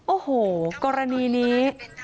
โอ้โหกรณีนี้